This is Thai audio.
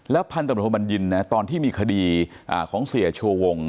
พันธุ์ตำรวจบัญญินตอนที่มีคดีของเสียชูวง